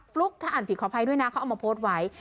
ลุ๊กถ้าอ่านผิดขออภัยด้วยนะเขาเอามาโพสต์ไว้